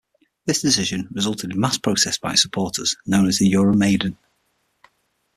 This decision resulted in mass protests by its supporters, known as the "Euromaidan".